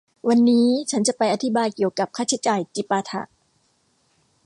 วันนี้ฉันจะไปอธิบายเกี่ยวกับค่าใช้จ่ายจิปาถะ